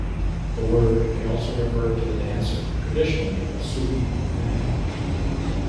The word may also refer to the dancer, traditionally a Sufi man.